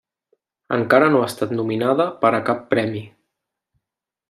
Encara no ha estat nominada per a cap premi.